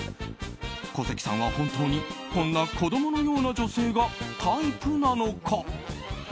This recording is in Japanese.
小関さんは本当にこんな子供のような女性がタイプなのか？